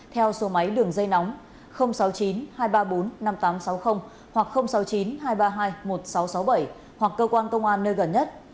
theo số máy đường dây nóng sáu mươi chín hai trăm ba mươi bốn năm nghìn tám trăm sáu mươi hoặc sáu mươi chín hai trăm ba mươi hai một nghìn sáu trăm sáu mươi bảy hoặc cơ quan công an nơi gần nhất